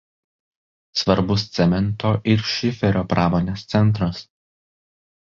Svarbus cemento ir šiferio pramonės centras.